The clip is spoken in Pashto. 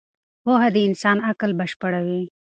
پوهه د انسان عقل بشپړوي.